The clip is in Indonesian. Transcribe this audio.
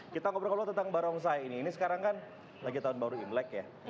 kita ngobrol ngobrol tentang barongsai ini ini sekarang kan lagi tahun baru imlek ya